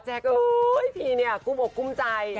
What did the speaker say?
เฮ้ยพี่เนี่ยกูบอกกุ้มใจ